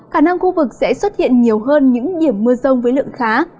cả năm khu vực sẽ xuất hiện nhiều hơn những điểm mưa rông với lượng khá